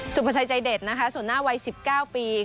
สุภาษาใจเด็ดส่วนหน้าวัย๑๙ปี